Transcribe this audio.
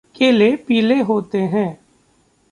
केले पीले होते हैं।